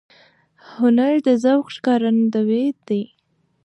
هنر د ذوق ښکارندوی دی